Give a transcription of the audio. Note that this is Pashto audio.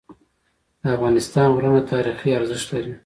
د افغانستان غرونه تاریخي ارزښت لري.